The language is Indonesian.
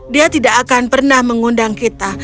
dia tidak akan pernah mengundang kita